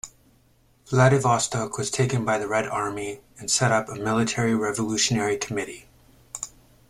Vladivostok was taken by the Red Army and set up a Military Revolutionary Committee.